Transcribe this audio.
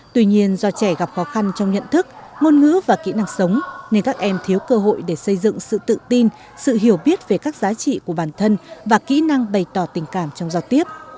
tuy nhiên do trẻ gặp khó khăn trong nhận thức ngôn ngữ và kỹ năng sống nên các em thiếu cơ hội để xây dựng sự tự tin sự hiểu biết về các giá trị của bản thân và kỹ năng bày tỏ tình cảm trong giao tiếp